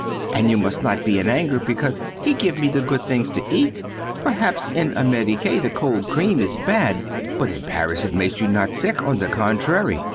And you must not be in anger when he give me the good things to eat. Perhaps in Amerique the cold cream is bad, but in Paris it make you not sick, on the contrary.